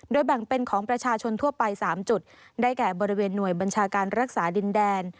แบ่งเป็นของประชาชนทั่วไป๓จุดได้แก่บริเวณหน่วยบัญชาการรักษาดินแดน